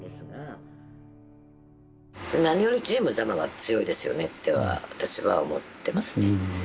何よりチーム座間は強いですよねっては私は思ってますね。